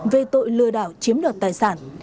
về tội lừa đảo chiếm đoạt tài sản